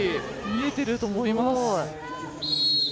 見えてると思います。